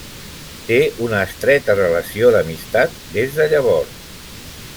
Té una estreta relació d'amistat des de llavors.